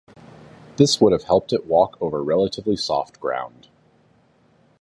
This would have helped it walk over relatively soft ground.